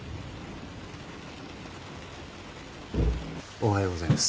おはようございます